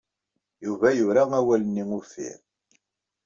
Yuba yura awal-nni uffir.